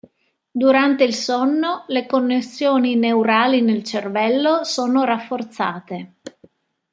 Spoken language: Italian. Durante il sonno, le connessioni neurali nel cervello sono rafforzate.